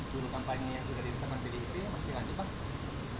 curukan pani yang sudah di teman pdhp masih lagi pak